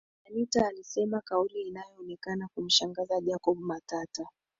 Bi Anita alisema kauli iliyoonekana kumshangaza Jacob Matata